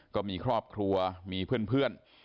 ก็มีครอบครัวมีเพื่อน